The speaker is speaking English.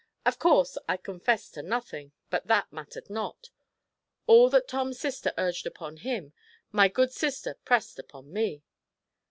Of course I confessed to nothing, but that mattered not. All that Tom's sister urged upon him, my good sister pressed upon me."